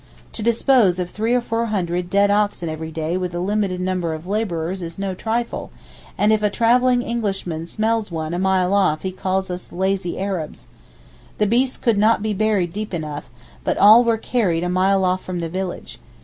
To dispose of three or four hundred dead oxen every day with a limited number of labourers is no trifle, and if a travelling Englishman smells one a mile off he calls us 'lazy Arabs.' The beasts could not be buried deep enough, but all were carried a mile off from the village.